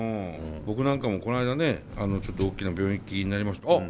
僕なんかもこの間ねあのちょっと大きな病気になりました。